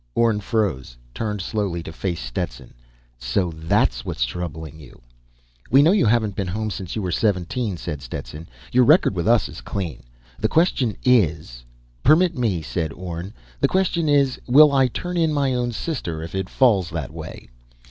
Orne froze, turned slowly to face Stetson. "So that's what's troubling you!" "We know you haven't been home since you were seventeen," said Stetson. "Your record with us is clean. The question is " "Permit me," said Orne. "The question is: Will I turn in my own sister if it falls that way?"